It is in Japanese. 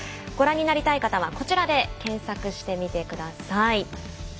ご覧になりたい方はこちらで検索してみてください。